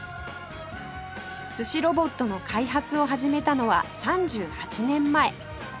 すしロボットの開発を始めたのは３８年前